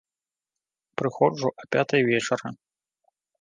Прыходжу а пятай вечара.